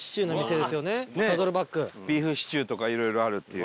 ビーフシチューとかいろいろあるっていう。